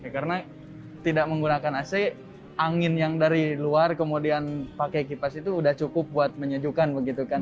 karena tidak menggunakan ac angin yang dari luar kemudian pakai kipas itu sudah cukup buat menyejukkan begitu kan